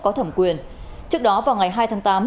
có thẩm quyền trước đó vào ngày hai tháng tám